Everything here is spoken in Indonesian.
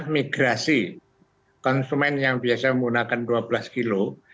migrasi konsumen yang biasa menggunakan dua belas kg